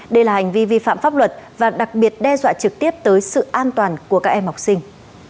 đây là hành vi vi phạm pháp luật và đặc biệt đe dọa trực tiếp tới sự an toàn của các em học sinh